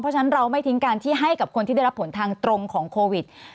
เพราะฉะนั้นเราไม่ทิ้งการที่ให้กับคนที่ได้รับผลทางตรงของโควิด